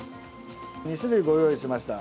２種類ご用意しました。